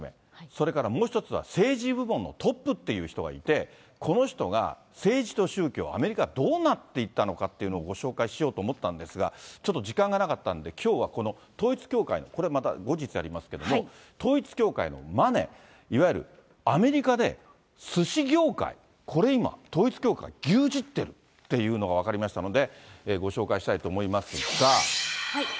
それからもう１つは政治部門のトップっていう方がいて、この人が政治と宗教、アメリカはどうなっていったのかということをご紹介しようと思ったんですが、ちょっと時間がなかったんで、きょうはこの統一教会の、これまた後日やりますけれども、統一教会のマネー、いわゆるアメリカでスシ業界、これ今、統一教会、牛耳ってるっていうのが分かりましたので、ご紹介したいと思いますが。